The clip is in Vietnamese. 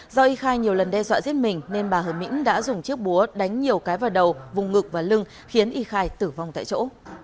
do yikai nhiều lần đe dọa giết mình nên bà hơ mỹ đã dùng chiếc búa đánh nhiều cái vào đầu vùng ngực và lưng khiến yikai tử vong tại chỗ